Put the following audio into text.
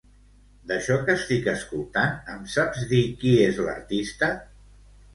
D'això que estic escoltant, em saps dir qui és l'artista?